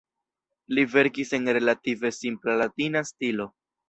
Li verkis en relative simpla latina stilo.